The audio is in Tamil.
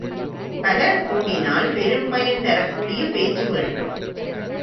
பலர் கூடினால், பெரும்பயன் தரக்கூடிய பேச்சு வேண்டும்.